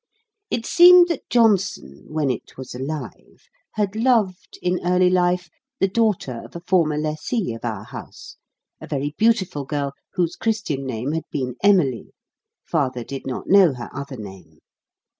It seemed that Johnson, when it was alive, had loved, in early life, the daughter of a former lessee of our house, a very beautiful girl, whose Christian name had been Emily. Father did not know her other name.